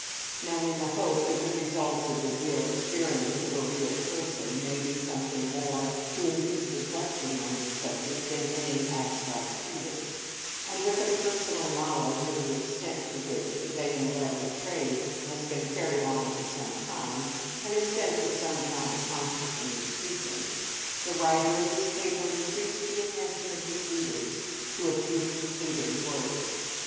Now, in the hope that the results of the real experience of a real person may do something more to induce reflection on this subject than any abstract treatise—and with a personal knowledge of the extent to which the Begging Letter Trade has been carried on for some time, and has been for some time constantly increasing—the writer of this paper entreats the attention of his readers to a few concluding words.